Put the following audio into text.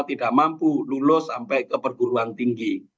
tidak mampu lulus sampai ke perguruan tinggi